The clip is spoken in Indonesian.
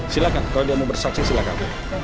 silahkan kalau dia mau bersaksi silakan